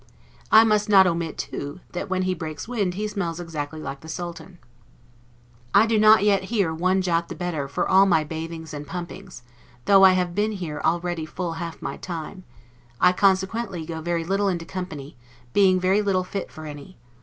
I must not omit too, that when he breaks wind he smells exactly like the Sultan. I do not yet hear one jot the better for all my bathings and pumpings, though I have been here already full half my time; I consequently go very little into company, being very little fit for any.